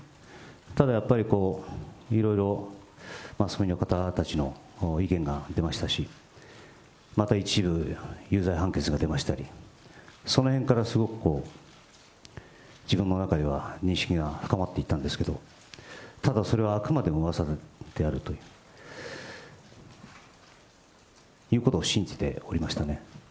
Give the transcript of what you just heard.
ただやっぱり、いろいろマスコミの方たちの意見が出ましたし、また一部、有罪判決が出ましたり、そのへんからすごくこう、自分の中では認識が深まっていったんですけど、ただ、それはあくまでもうわさであるということを信じておりましたね。